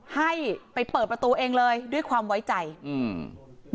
ให้ไปเปิดประตูเองเลยด้วยความไว้ใจอืม